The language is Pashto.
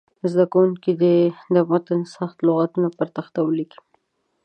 زده کوونکي دې د متن سخت لغات پر تخته ولیکي.